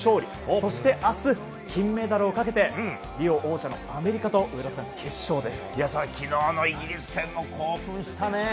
そして、明日金メダルをかけてリオ王者との昨日のイギリス戦も興奮したね。